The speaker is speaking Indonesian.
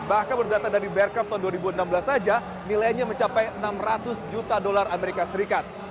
bahkan berdata dari berkaf tahun dua ribu enam belas saja nilainya mencapai enam ratus juta dolar amerika serikat